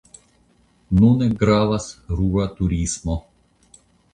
Nune gravas rura turismo.